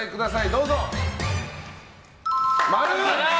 どうぞ。